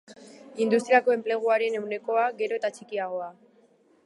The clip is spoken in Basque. Industriako enpleguaren ehunekoa gero eta txikiagoa